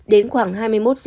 đến khoảng hai mươi một h